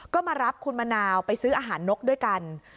ก็มารับคุณมะนาวไปซื้ออาหารนกด้วยกัน